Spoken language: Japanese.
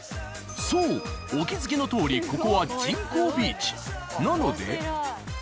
そうお気付きのとおりここはなので。